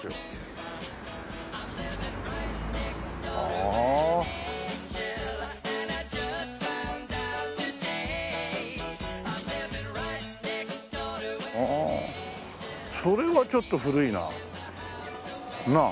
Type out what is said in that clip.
はあそれはちょっと古いな。なあ？